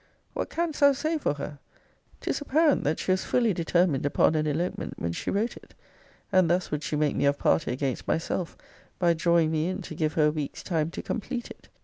What canst thou say for her? 'Tis apparent, that she was fully determined upon an elopement when she wrote it. And thus would she make me of party against myself, by drawing me in to give her a week's time to complete it.